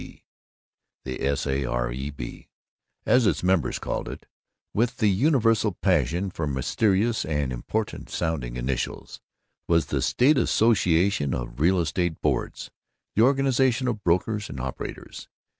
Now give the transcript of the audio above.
B. The S. A. R. E. B., as its members called it, with the universal passion for mysterious and important sounding initials, was the State Association of Real Estate Boards; the organization of brokers and operators.